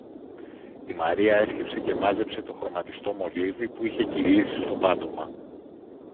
Η Μαρία έσκυψε και μάζεψε το χρωματιστό μολύβι που είχε κυλήσει στο πάτωμα